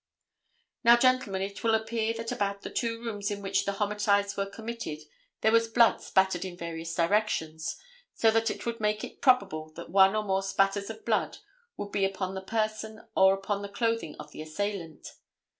Now, gentlemen, it will appear that about the two rooms in which the homicides were committed there was blood spattered in various directions, so that it would make it probable that one or more spatters of blood would be upon the person or upon the clothing of the assailant.